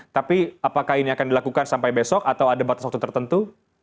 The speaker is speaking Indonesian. tapi apakah ini akan dilakukan sampai besok atau ada batas waktu tertentu